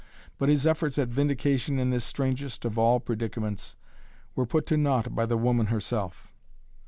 But his efforts at vindication in this strangest of all predicaments were put to naught by the woman herself.